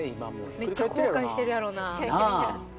めっちゃ後悔してるやろな。